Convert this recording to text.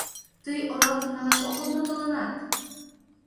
Тый оралтым налаш огыл мо толынат?